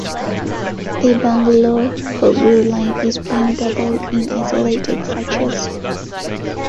The Bangalore-Hubli line is being doubled in isolated patches.